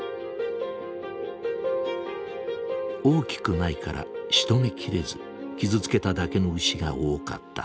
大きくないからしとめ切れず傷つけただけの牛が多かった。